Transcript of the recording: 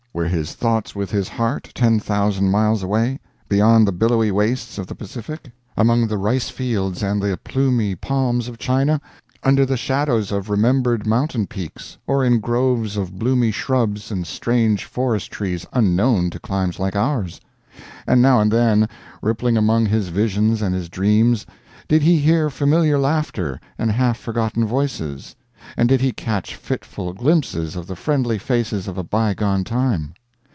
Were his thoughts with his heart, ten thousand miles away, beyond the billowy wastes of the Pacific? among the ricefields and the plumy palms of China? under the shadows of remembered mountain peaks, or in groves of bloomy shrubs and strange forest trees unknown to climes like ours? And now and then, rippling among his visions and his dreams, did he hear familiar laughter and half forgotten voices, and did he catch fitful glimpses of the friendly faces of a bygone time?